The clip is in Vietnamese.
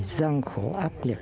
gian khổ áp lực